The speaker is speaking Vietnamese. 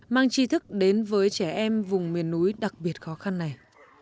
mang chi thức đến với trẻ em vùng miền núi đặc biệt khó khăn này